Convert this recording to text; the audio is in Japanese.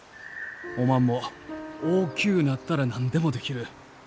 おまんも大きゅうなったら何でもできる。